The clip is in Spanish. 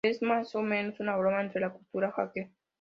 Es más o menos una broma entre la cultura hacker.